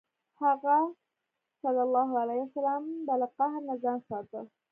هغه ﷺ به له قهر نه ځان ساته.